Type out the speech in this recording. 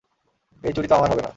এই চুড়ি তো আমার হবে না।